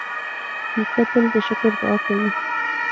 نیکه تل د شکر دعا کوي.